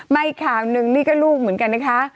อีกข่าวหนึ่งนี่ก็ลูกเหมือนกันนะคะ